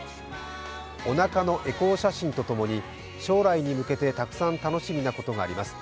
おなかのエコー写真とともに将来に向けてたくさん楽しみなことがあります。